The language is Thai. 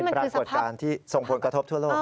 ปรากฏการณ์ที่ส่งผลกระทบทั่วโลก